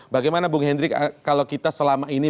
bagaimana bung hendrik kalau kita selama ini